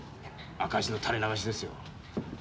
赤字の垂れ流しですよ。